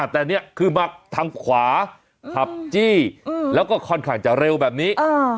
แต่นี่คือมาทางขวาขับจี้แล้วก็ค่อนข้างจะเร็วแบบนี้